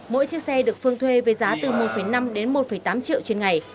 mỗi chiếc xe được phương thuê với giá từ một năm đến một tám triệu trên ngày